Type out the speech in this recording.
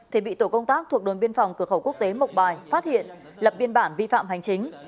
thì bị tổ công tác thuộc đồn biên phòng cửa khẩu quốc tế mộc bài phát hiện lập biên bản vi phạm hành chính